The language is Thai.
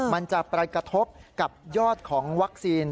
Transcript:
มันจะไปกระทบกับยอดของวัคซีน